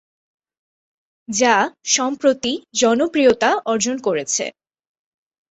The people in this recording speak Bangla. যা সম্প্রতি জনপ্রিয়তা অর্জন করেছে।